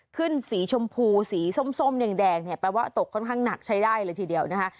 สีชมพูสีส้มแดงเนี่ยแปลว่าตกค่อนข้างหนักใช้ได้เลยทีเดียวนะคะ